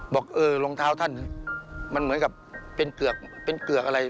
บอกเออรองเท้าท่านมันเหมือนกับเป็นเกือกอะไร